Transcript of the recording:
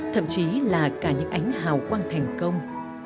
thậm chí là cả những ánh hào quang thành công